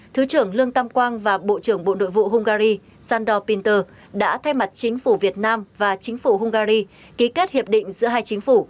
thứ trưởng lương tam quang và bộ trưởng bộ nội vụ hungary sandor pinter đã thay mặt chính phủ việt nam và chính phủ hungary ký kết hiệp định giữa hai chính phủ